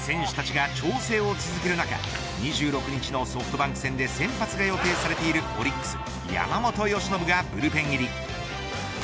２６日のソフトバンク戦で先発が予定されているオリックス山本由伸がブルペン入り。